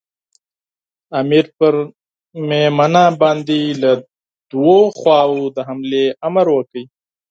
امیر پر مېمنه باندې له دوو خواوو د حملې امر وکړ.